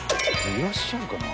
いらっしゃるかな？